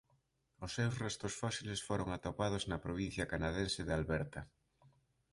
Os seus restos fósiles foron atopados na provincia canadense de Alberta.